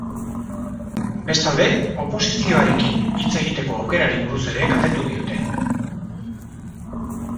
Bestalde, oposizioarekin hitz egiteko aukerari buruz ere galdetu diote.